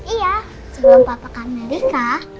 iya sebelum bapak sama rika